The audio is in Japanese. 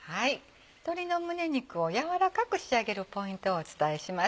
鶏の胸肉を軟らかく仕上げるポイントをお伝えします。